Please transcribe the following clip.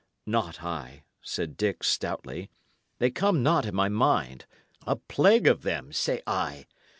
"Not I," said Dick, stoutly. "They come not in my mind. A plague of them, say I!